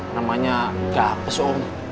namanya gak hapus om